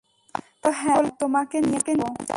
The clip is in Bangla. তারা বলল, হ্যাঁ, তোমাকে নিয়ে যাব।